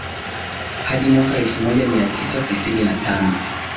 hadi mwaka elfu moja mia tisa tisini na tano